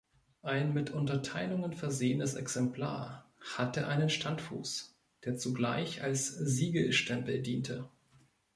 Ein mit Unterteilungen versehenes Exemplar hatte einen Standfuß, der zugleich als Siegelstempel diente.